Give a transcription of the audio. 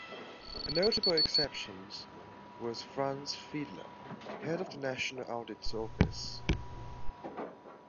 A notable exception was Franz Fiedler, head of the National Audit Office.